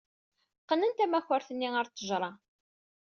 Qqnen tamakart-nni ɣer ttejra.